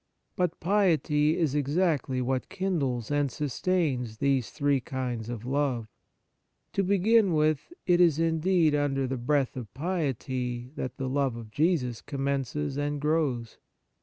But piety is exactly what kindles and sustains these three kinds of love. To begin with, it is, indeed, under the breath of piety that the love of Jesus commences and grows.